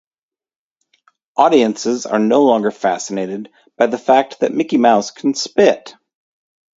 Audiences are no longer fascinated by the fact that Mickey Mouse can spit.